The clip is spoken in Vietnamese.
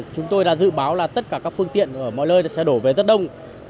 chúng tôi đã dự báo là tất cả các phương tiện ở mọi nơi sẽ đổ về rất đông